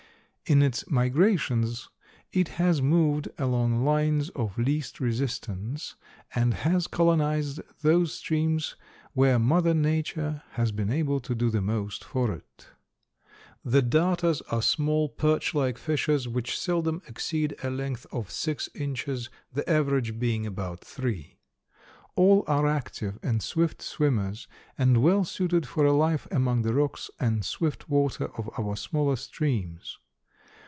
In its migrations it has moved along lines of least resistance, and has colonized those streams where Mother Nature has been able to do the most for it. The darters are small, perch like fishes, which seldom exceed a length of six inches, the average being about three. All are active and swift swimmers and well suited for a life among the rocks and swift water of our smaller streams.